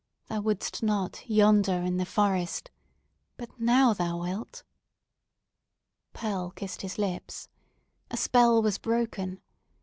Thou wouldst not, yonder, in the forest! But now thou wilt?" Pearl kissed his lips. A spell was broken.